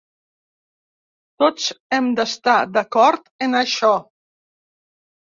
Tots hem d'estar d'acord en això.